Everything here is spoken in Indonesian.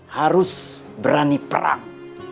harus berani perang